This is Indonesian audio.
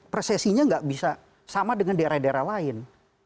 presesinya nggak bisa sama dengan daerah daerah lain